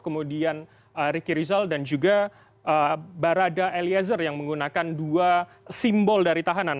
kemudian riki rizal dan juga barada eliezer yang menggunakan dua simbol dari tahanan